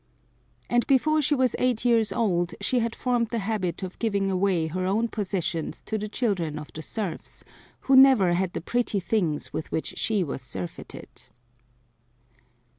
And before she was eight years old, she had formed the habit of giving away her own possessions to the children of the serfs, who never had the pretty things with which she was surfeited.